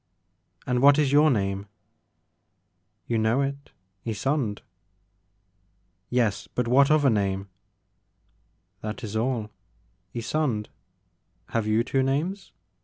And what is your name ?*'" You know it, Ysonde." " Yes, but what other name." " That is all, Ysonde. Have you two names